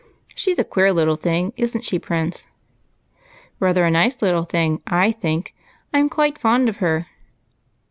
" Slie's a queer little thing, is n't she. Prince ?"" Rather a nice little thing, /think. I 'm quite fond of her."